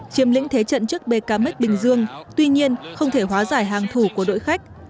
chiếm lĩnh thế trận trước bkm bình dương tuy nhiên không thể hóa giải hàng thủ của đội khách